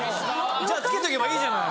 じゃあつけとけばいいじゃない。